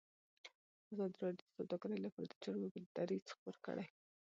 ازادي راډیو د سوداګري لپاره د چارواکو دریځ خپور کړی.